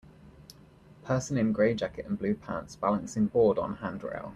Person in gray jacket and blue pants balancing board on handrail